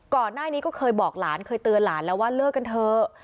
ก่อนหน้านี้ก็เคยบอกหลานเคยเตือนหลานแล้วว่าเลิกกันเถอะ